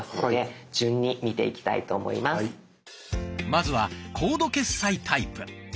まずは「コード決済」タイプ。